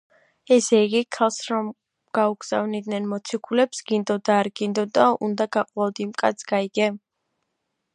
ესე იგი, ქალს რო გაუგზავნიდნენ მოციქულებს გინდოდა არ გინდოდა, უნდა გაყოლოდი იმ კაცს, გაიგე?